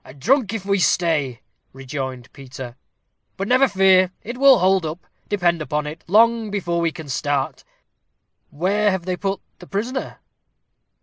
"And drunk if we stay," rejoined Peter. "But never fear, it will hold up, depend upon it, long before we can start. Where have they put the prisoner?"